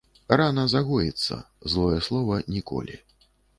Рана загоіцца, злое слова ‒ ніколі